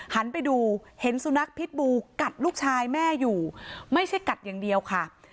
หันไปดูเห็นสุนัขพิษบูกัดลูกชายแม่อยู่ไม่ใช่กัดอย่างเดียวค่ะ